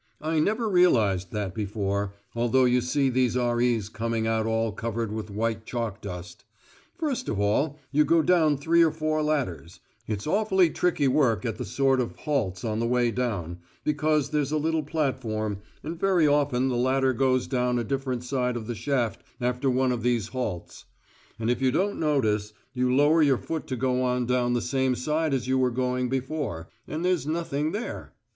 I never realised that before, although you see these R.E.'s coming out all covered with white chalk dust. First of all you go down three or four ladders; it's awfully tricky work at the sort of halts on the way down, because there's a little platform, and very often the ladder goes down a different side of the shaft after one of these halts; and if you don't notice, you lower your foot to go on down the same side as you were going before, and there's nothing there.